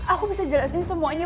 aku bisa jelasin semuanya